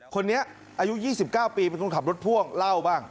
คนนี้อายุ๒๙ปีเป็นคนขับรถพ่วงเล่าบ้าง